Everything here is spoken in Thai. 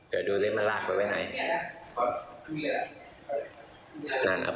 ไหน